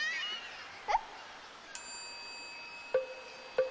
えっ？